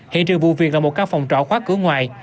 hiện trường vụ việc là một cao phòng trỏ khóa cửa ngoài